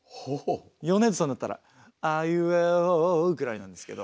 米津さんだったら「あいうえお」ぐらいなんですけど。